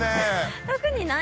特にない。